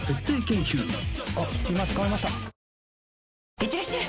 いってらっしゃい！